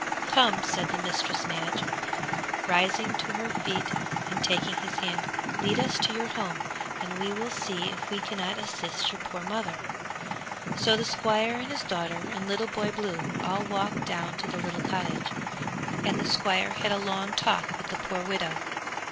"Come," said Mistress Madge, rising to her feet and taking his hand; "lead us to your home, and we will see if we cannot assist your poor mother." So the Squire and his daughter and Little Boy Blue all walked down to the little cottage, and the Squire had a long talk with the poor widow.